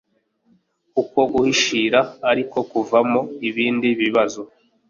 kuko guhishira ariko kuvamo ibindi bibazo